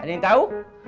ada yang tahu